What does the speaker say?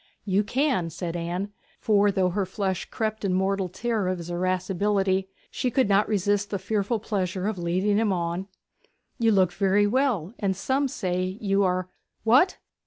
'You can,' said Anne; for though her flesh crept in mortal terror of his irascibility, she could not resist the fearful pleasure of leading him on. 'You look very well; and some say, you are ' 'What?